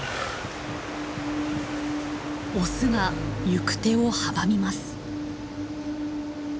オスが行く手を阻みます。